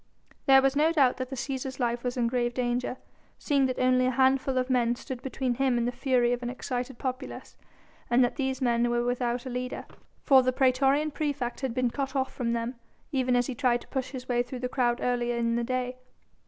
There was no doubt that the Cæsar's life was in grave danger, seeing that only a handful of men stood between him and the fury of an excited populace; and these men were without a leader, for the praetorian praefect had been cut off from them, even as he tried to push his way through the crowd earlier in the day.